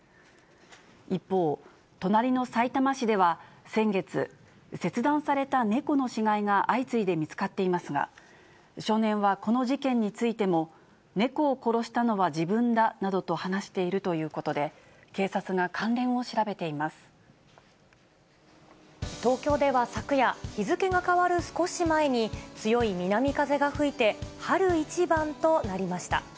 一方、隣のさいたま市では先月、切断された猫の死骸が相次いで見つかっていますが、少年はこの事件についても、猫を殺したのは自分だなどと話しているということで、警察が関連東京では、昨夜、日付が変わる少し前に、強い南風が吹いて、春一番となりました。